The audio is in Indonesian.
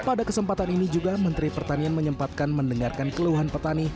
pada kesempatan ini juga menteri pertanian menyempatkan mendengarkan keluhan petani